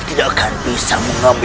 tidak ada apa apa